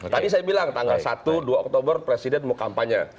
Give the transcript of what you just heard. tadi saya bilang tanggal satu dua oktober presiden mau kampanye